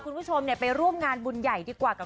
คุณผู้ชมไปร่วมงานบุญใหญ่ดีกว่ากับ